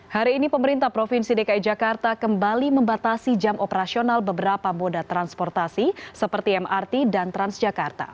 hari ini pemerintah provinsi dki jakarta kembali membatasi jam operasional beberapa moda transportasi seperti mrt dan transjakarta